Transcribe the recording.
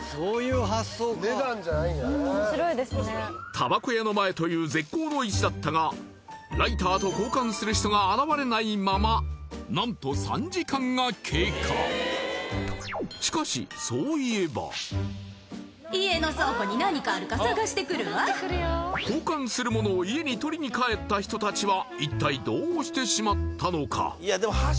たばこ屋の前という絶好の位置だったがライターと交換する人が現れないまま何と３時間が経過交換する物を家に取りに帰った人達は一体どうしてしまったのか？